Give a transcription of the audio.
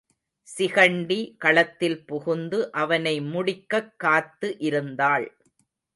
சிகண்டி களத்தில் புகுந்து அவனை முடிக்கக் காத்து இருந்தாள்.